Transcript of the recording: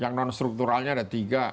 yang non strukturalnya ada tiga